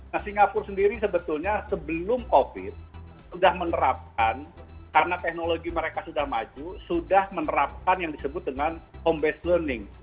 nah singapura sendiri sebetulnya sebelum covid sudah menerapkan karena teknologi mereka sudah maju sudah menerapkan yang disebut dengan home based learning